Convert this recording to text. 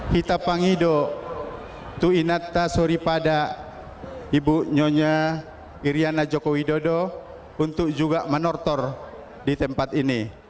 kita panggido tu inatta suripada ibu nyonya iryana joko widodo untuk juga menortor di tempat ini